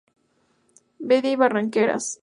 Vedia y Barranqueras.